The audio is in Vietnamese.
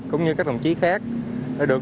cũng như các đồng chí khác đã được